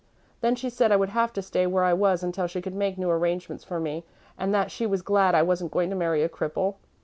Then she said I would have to stay where I was until she could make new arrangements for me and that she was glad I wasn't going to marry a cripple.